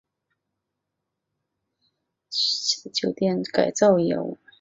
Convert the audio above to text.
阿兹姆特连锁酒店管理公司还从事苏联时期的酒店改造业务。